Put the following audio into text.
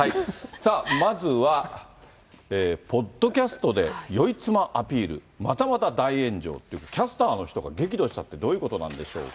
まずは、ポッドキャストでよい妻アピール、またまた大炎上という、キャスターの人が激怒したって、どういうことなんでしょう